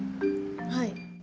はい。